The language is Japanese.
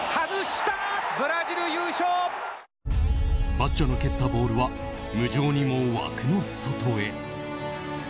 バッジョの蹴ったボールは無情にも枠の外へ。